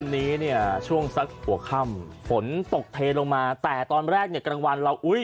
วันนี้เนี่ยช่วงสักหัวค่ำฝนตกเทลงมาแต่ตอนแรกเนี่ยกลางวันเราอุ้ย